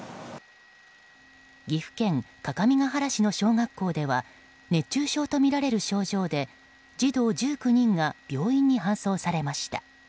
岐阜県各務原市の小学校では熱中症とみられる症状で児童１９人が病院に搬送されました。